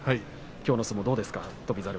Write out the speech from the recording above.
きょうの相撲、どうですか。